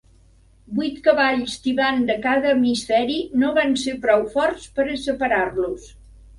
Vuit cavalls tibant de cada hemisferi no van ser prou forts per a separar-los.